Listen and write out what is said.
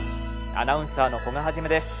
アナウンサーの古賀一です。